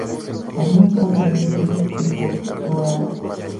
La mayor parte de ellos viven en Botsuana.